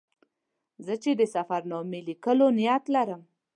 زه چې د سفر نامې لیکلو نیت لرم.